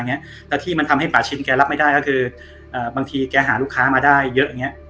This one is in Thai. แล้วที่มันทำให้ป่าชินแกรับไม่ได้ก็คือบางทีแกหาลูกค้ามาได้เยอะอย่างเงี้ย